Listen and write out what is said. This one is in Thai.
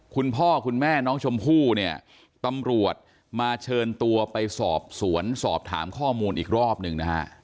คุณพ่อคุณแม่น้องชมพู่เนี่ยตำรวจมาเชิญตัวไปสอบสวนสอบถามข้อมูลอีกรอบหนึ่งนะฮะ